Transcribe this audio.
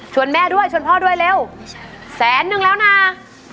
แม่ด้วยชวนพ่อด้วยเร็วแสนนึงแล้วนะ